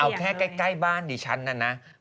เอาแค่ใกล้บ้านดิฉันนะนะ